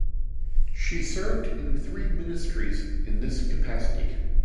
She served in three ministries in this capacity.